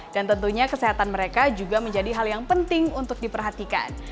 dan tentunya kesehatan mereka juga menjadi hal yang penting untuk diperhatikan